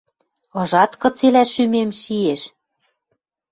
Ыжат, кыцелӓ шӱмем шиэш?..»